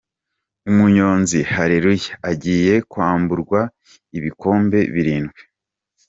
Umunyonzi hareluya agiye kwamburwa ibikombe birindwi